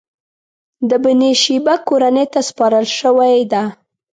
د بنی شیبه کورنۍ ته سپارل شوې ده.